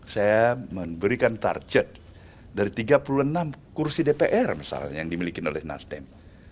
saya memberikan target dari tiga puluh enam kursi dpr misalnya yang dimiliki oleh nasdem